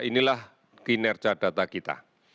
inilah kinerja data kita